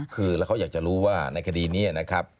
คือแล้วเขาอยากจะรู้ว่าในคดีนี้นะครับ